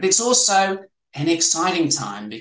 tapi juga adalah waktu yang menarik